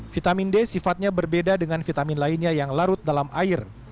vitamin d sifatnya berbeda dengan vitamin lainnya yang larut dalam air